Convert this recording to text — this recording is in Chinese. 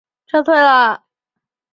他也撤退了。